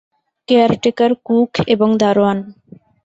Caretaker, cook এবং দারোয়ান।